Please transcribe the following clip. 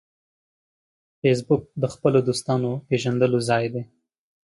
فېسبوک د خپلو دوستانو پېژندلو ځای دی